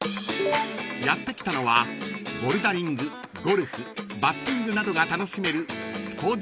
［やって来たのはボルダリングゴルフバッティングなどが楽しめる］